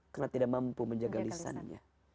karena tidak mampu menjaga lisannya